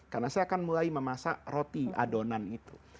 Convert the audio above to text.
karena saya akan memasak roti adonan itu